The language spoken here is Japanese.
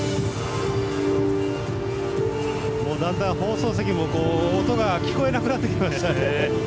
だんだん放送席も音が聞こえなくなってきましたね。